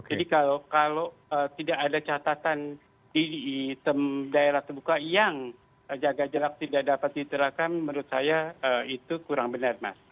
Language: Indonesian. jadi kalau tidak ada catatan di daerah terbuka yang jaga jarak tidak dapat diterapkan menurut saya itu kurang benar mas